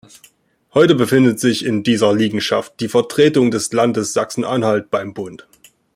Heute befindet sich in dieser Liegenschaft die Vertretung des Landes Sachsen-Anhalt beim Bund.